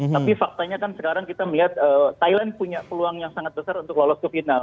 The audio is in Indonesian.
tapi faktanya kan sekarang kita melihat thailand punya peluang yang sangat besar untuk lolos ke final